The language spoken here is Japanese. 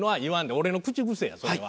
俺の口癖やそれは。